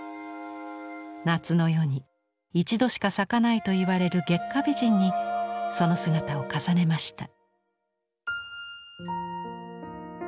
夏の夜に一度しか咲かないと言われる月下美人にその姿を重ねました。